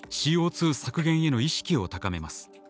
ＣＯ削減への意識を高めます。